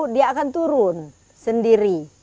dia akan turun sendiri